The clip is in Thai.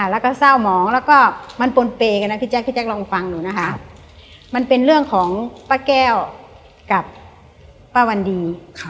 เรื่องของป้าแก้วกับป้าวันดี